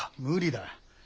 無理だ。